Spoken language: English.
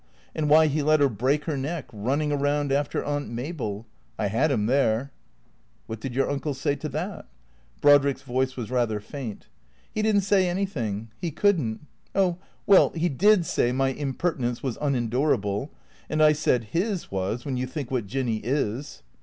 And why he let her break her neck, running round after Aunt Mabel? I had him there." " WTiat did your Uncle say to that?" (Brodrick's voice was rather faint.) " He did n't say anything. He could n't — oh — well, he did say my impertinence was unendurable. And I said his was, when you think what Jinny is.